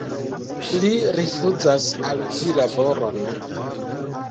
Li rifuzas al vi laboron.